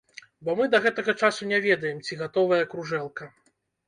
Бо мы да гэтага часу не ведаем, ці гатовая кружэлка.